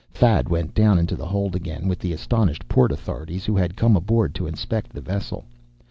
Thad went down into the hold again, with the astonished port authorities who had come aboard to inspect the vessel.